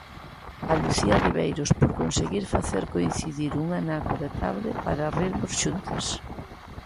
A Lucía Riveiros, por conseguir facer coincidir un anaco de tarde para rirmos xuntas.